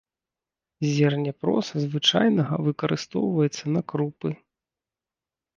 Зерне проса звычайнага выкарыстоўваецца на крупы.